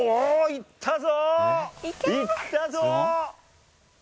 行ったぞ！